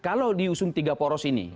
kalau diusung tiga poros ini